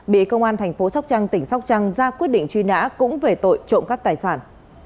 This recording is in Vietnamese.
bị công an thành phố sóc trăng tỉnh sóc trăng ra quyết định truy nã cũng về tội trộm cắp tài sản